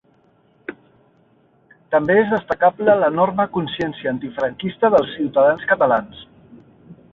També és destacable l’enorme consciència antifranquista dels ciutadans catalans.